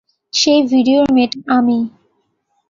সেই ভিডিওর মেয়েটা আমিই।